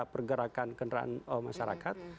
pergerakan kendaraan masyarakat